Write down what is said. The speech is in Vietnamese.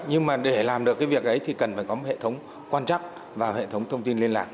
nhưng mà để làm được cái việc ấy thì cần phải có một hệ thống quan trắc vào hệ thống thông tin liên lạc